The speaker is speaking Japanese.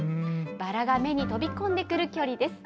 バラが目に飛び込んでくる距離です。